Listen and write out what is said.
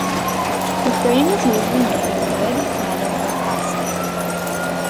The frame is usually made of wood, metal or plastic.